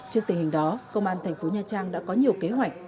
trước tình hình đó công an thành phố nha trang đã có nhiều kế hoạch